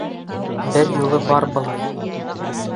Бер юлы бар былай.